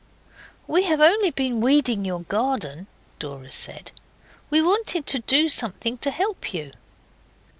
'We have only been weeding your garden,' Dora said; 'we wanted to do something to help you.